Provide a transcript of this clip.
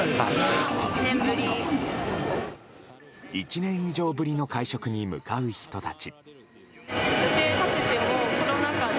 １年以上ぶりの会食に向かう人たち。